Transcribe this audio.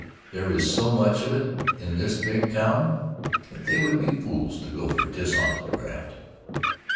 There is so much of it in this big town that they would be fools to go in for dishonest graft.